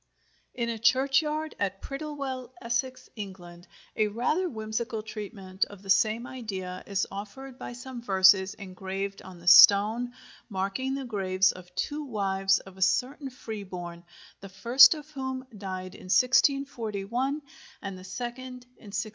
In a churchyard at Prittlewell, Essex, England, a rather whimsical treatment of the same idea is offered by some verses engraved on the stone marking the graves of two wives of a certain Freeborne, the first of whom died in 1641 and the second in 1658.